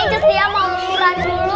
inci sedia mau lurah dulu